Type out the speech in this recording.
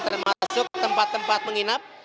termasuk tempat tempat menginap